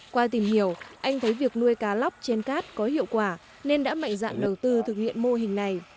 qua tìm hiểu anh thấy việc nuôi cá lóc trên cát có hiệu quả nên đã mạnh dạn đầu tư thực hiện mô hình này